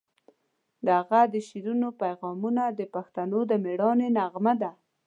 د هغه د شعرونو پیغامونه د پښتنو د میړانې نغمه ده.